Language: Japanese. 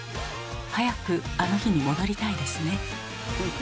早くあの日に戻りたいですね。